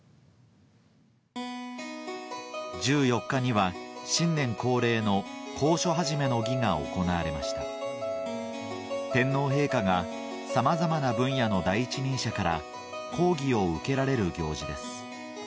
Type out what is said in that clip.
１４日には新年恒例の講書始の儀が行われました天皇陛下がさまざまな分野の第一人者から講義を受けられる行事です